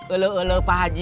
eluh eluh pak haji